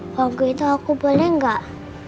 paget aku boleh gak